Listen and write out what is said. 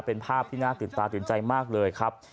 เป็นภาพที่น่าตื่นตาตื่นใจมากเลยครับ